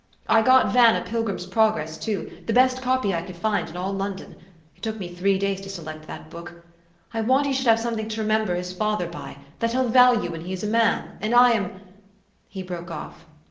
I got Van a ' Pil grim's Progress ' too, the best copy I could find in all London. It took me three days to select that book. I want he should have something to remem ber his father by, that he'll value when he is a man, and I am" He broke off.